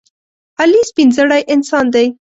علي سپینزړی انسان دی.